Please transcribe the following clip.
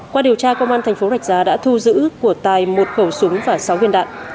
qua điều tra công an thành phố rạch giá đã thu giữ của tài một khẩu súng và sáu viên đạn